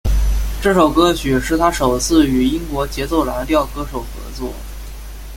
这首歌曲是他首次与英国节奏蓝调歌手合作。